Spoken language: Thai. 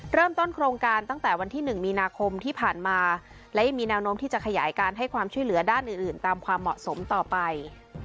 โครงการตั้งแต่วันที่๑มีนาคมที่ผ่านมาและยังมีแนวโน้มที่จะขยายการให้ความช่วยเหลือด้านอื่นตามความเหมาะสมต่อไป